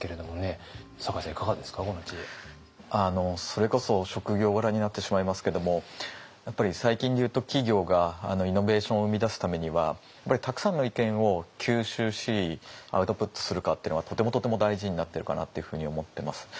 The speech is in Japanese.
それこそ職業柄になってしまいますけどもやっぱり最近で言うと企業がイノベーションを生み出すためにはやっぱりたくさんの意見を吸収しアウトプットするかっていうのがとてもとても大事になってるかなっていうふうに思ってます。